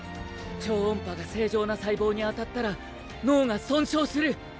超音波が正常な細胞に当たったら脳が損傷する！